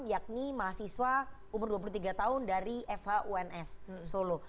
yakni mahasiswa umur dua puluh tiga tahun dari fhuns solo